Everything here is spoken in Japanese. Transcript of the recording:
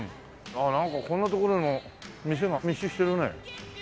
ああなんかこんな所の店が密集してるね。